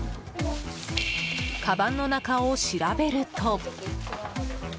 かばんの中を調べると。